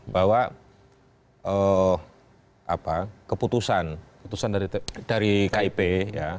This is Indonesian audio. bahwa keputusan keputusan dari kip ya